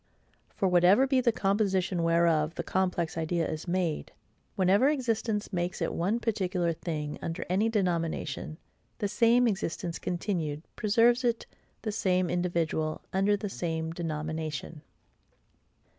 For, whatever be the composition whereof the complex idea is made, whenever existence makes it one particular thing under any denomination, THE SAME EXISTENCE CONTINUED preserves it the SAME individual under the same denomination.